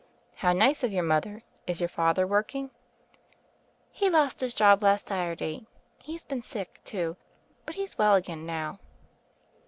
"How nice or your mother. Is your father working?" He lost his job last Saturday. He's been sick, too; but he's well again now."